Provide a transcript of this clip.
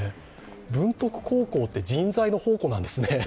文徳高校って人材の宝庫なんですね。